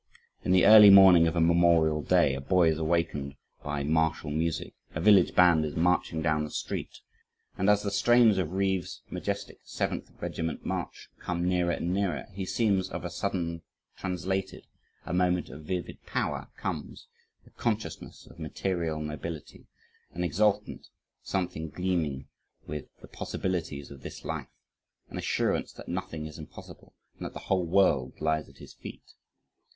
In the early morning of a Memorial Day, a boy is awakened by martial music a village band is marching down the street, and as the strains of Reeves' majestic Seventh Regiment March come nearer and nearer, he seems of a sudden translated a moment of vivid power comes, a consciousness of material nobility, an exultant something gleaming with the possibilities of this life, an assurance that nothing is impossible, and that the whole world lies at his feet.